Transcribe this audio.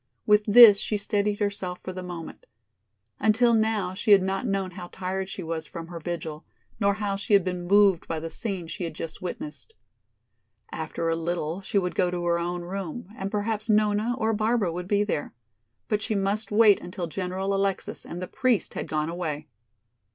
With this she steadied herself for the moment. Until now she had not known how tired she was from her vigil, nor how she had been moved by the scene she had just witnessed. After a little she would go to her own room and perhaps Nona or Barbara would be there. But she must wait until General Alexis and the priest had gone away.